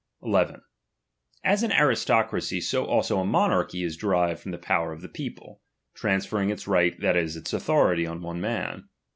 11. As an aristocracij, so also a monarchy is derived from the power of the people, transferring its right, that is, its authority on one man.